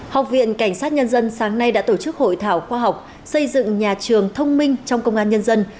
học viện cảnh sát nhân dân sáng nay đã tổ chức hội thảo khoa học xây dựng nhà trường thông minh trong công an nhân dân